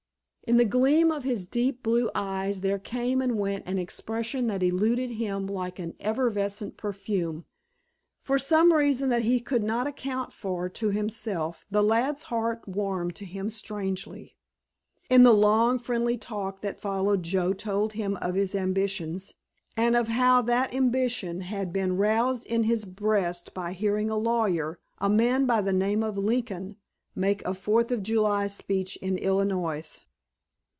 In the gleam of his deep blue eyes there came and went an expression that eluded him like an evanescent perfume. For some reason that he could not account for to himself the lad's heart warmed to him strangely. In the long, friendly talk that followed Joe told him of his ambitions, and of how that ambition had been roused in his breast by hearing a lawyer, a man by the name of Lincoln, make a Fourth of July speech in Illinois.